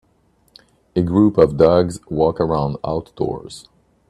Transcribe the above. A group of dogs walk around outdoors.